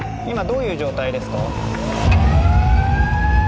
今どういう状態ですか？